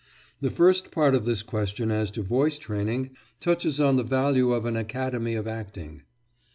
The first part of this question as to voice training touches on the value of an Academy of Acting.